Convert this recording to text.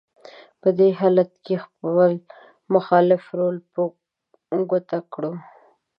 په دې حالت کې خپل مخالف رول په ګوته کړو: